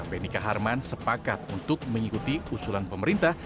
benika harman sepakat untuk mengikuti usulan pemerintah